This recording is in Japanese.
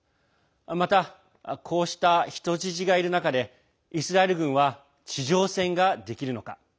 また、こうした人質がいる中でイスラエル軍は地上戦ができるのか。